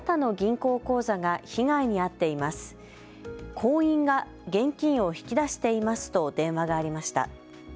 行員が現金を引き出していますと電話がありました。